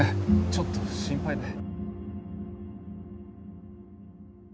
ちょっと心配で。